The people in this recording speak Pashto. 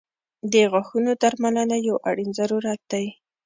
• د غاښونو درملنه یو اړین ضرورت دی.